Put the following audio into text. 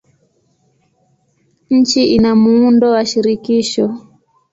Nchi ina muundo wa shirikisho.